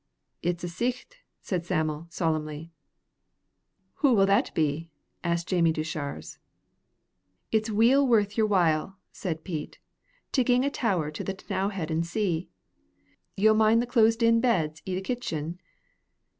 "It's a sicht," said Sam'l, solemnly. "Hoo will that be?" asked Jamie Deuchars. "It's weel worth yer while," said Pete, "to ging atower to the T'nowhead an' see. Ye'll mind the closed in beds i' the kitchen?